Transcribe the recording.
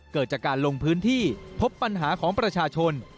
เกิดจากการลงพื้นที่พบปัญหาของประชาชน